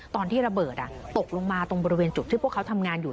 ตอนที่ระเบิดตกลงมาตรงบริเวณจุดที่พวกเขาทำงานอยู่